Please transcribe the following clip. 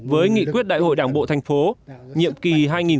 với nghị quyết đại hội đảng bộ thành phố nhiệm kỳ hai nghìn hai mươi hai nghìn hai mươi